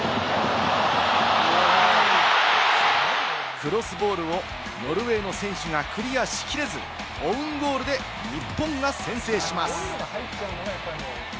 クロスボールをノルウェーの選手がクリアしきれず、オウンゴールで日本が先制します。